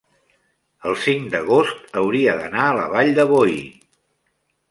el cinc d'agost hauria d'anar a la Vall de Boí.